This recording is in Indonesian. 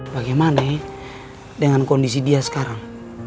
bagaimana dengan kondisi dia sekarang